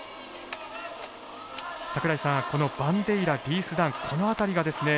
櫻井さん、このバンデイラリース・ダン、この辺りがですね